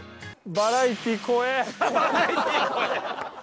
「バラエティ怖え」。